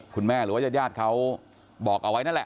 หรือว่ายาดเขาบอกเอาไว้นั่นแหละ